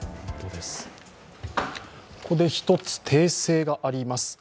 ここで１つ訂正があります。